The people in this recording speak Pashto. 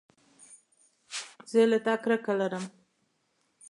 زه له تا کرکه لرم